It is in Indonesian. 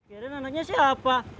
keren anaknya siapa